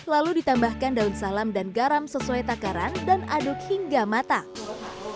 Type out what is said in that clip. lalu ditambahkan daun salam dan garam sesuai takaran dan aduk hingga matang